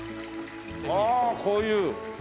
ああこういう。